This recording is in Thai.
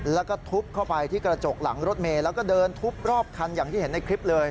แล้วก็ทุบเข้าไปที่กระจกหลังรถเมย์แล้วก็เดินทุบรอบคันอย่างที่เห็นในคลิปเลย